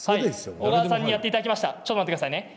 小川さんにやっていただきました。